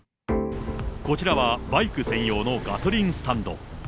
こちらはバイク専用のガソリンスタンド。